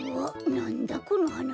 なんだこのはな。